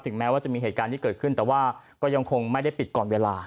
แม้ว่าจะมีเหตุการณ์ที่เกิดขึ้นแต่ว่าก็ยังคงไม่ได้ปิดก่อนเวลา